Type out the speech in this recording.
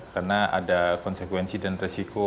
karena ada konsekuensi dan resiko